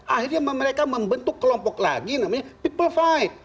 akhirnya mereka membentuk kelompok lagi namanya people fight